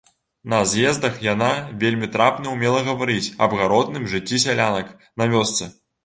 На з'ездах яна вельмі трапна ўмела гаварыць аб гаротным жыцці сялянак на вёсцы.